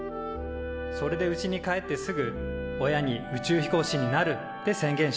それでうちに帰ってすぐ親に「宇宙飛行士になる」って宣言しました。